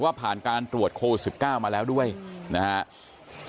ว่าผ่านการตรวจโคล๑๙มาแล้วด้วยนะฮะ